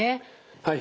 はい。